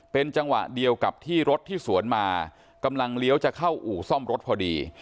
เป็นจังหวะเดียวกับที่รถที่สวนมากำลังเลี้ยวจะเข้าอู่ซ่อมรถพอดี